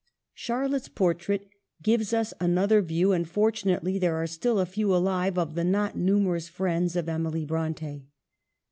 Charlotte's portrait gives us another view, and fortunately there are still a few alive of the not numerous friends of Emily Bronte.